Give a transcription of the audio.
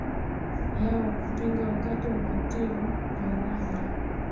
yao kupinga wakati wa mating na labda